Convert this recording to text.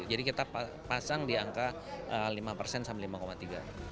kita pasang di angka lima persen sampai lima tiga